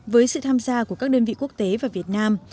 với sự tham gia của các đơn vị quốc tế và việt nam